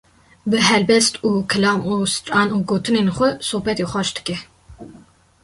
bi helbest û kilam û stran û gotinên xwe sohbetê xweş dike.